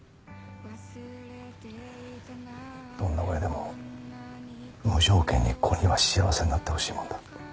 どんな親でも無条件に子には幸せになってほしいものだ。